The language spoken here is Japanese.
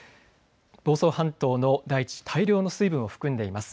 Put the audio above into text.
房総半島の大地、大量の水分を含んでいます。